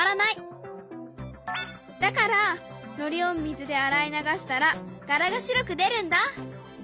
だからのりを水であらい流したら柄が白く出るんだ！